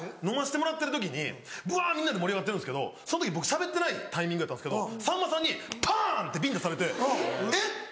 飲ましてもらってる時にぶわみんなで盛り上がってるんですけどその時僕しゃべってないタイミングやったんですけどさんまさんにパン！ってビンタされてえっ？